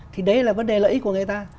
thì đấy là vấn đề lợi ích của người ta